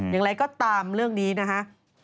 อย่างไรก็ตามเรื่องนี้นะฮะ